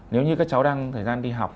nếu như các cháu đang thời gian đi học